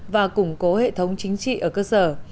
và củng cố hệ thống